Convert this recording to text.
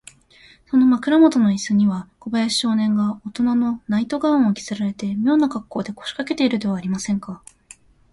その枕もとのイスには、小林少年がおとなのナイト・ガウンを着せられて、みょうなかっこうで、こしかけているではありませんか。